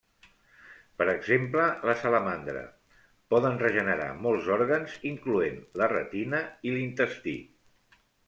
Per exemple, la salamandra poden regenerar molts òrgans incloent la retina i l'intestí.